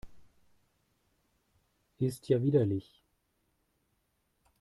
Ist ja widerlich!